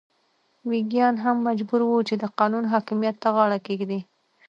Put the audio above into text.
ویګیان هم مجبور وو چې د قانون حاکمیت ته غاړه کېږدي.